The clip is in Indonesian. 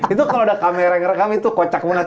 itu kalo udah kamera ngerekam itu kocak banget